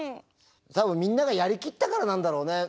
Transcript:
多分みんながやりきったからなんだろうね。